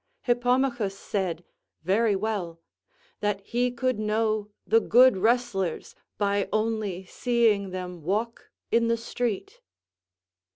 Hippomachus said, very well, "that he could know the good wrestlers by only seeing them walk in the street."